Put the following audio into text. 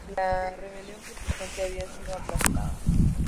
La rebelión protestante había sido aplastada.